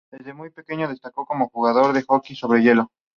Desde muy pequeño destacó como jugador de hockey sobre hielo.